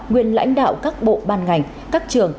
nguyên lãnh đạo các bộ ban ngành các trường